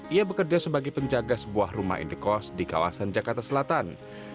ia bekerja sebagai penjaga sebuah rumah indekos di kawasan jakarta selatan